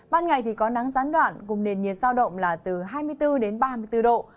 ban ngày thì có nắng gián đoạn cùng nền nhiệt giao động là từ hai mươi bốn đến ba mươi bốn độ